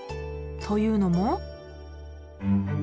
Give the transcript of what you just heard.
というのも。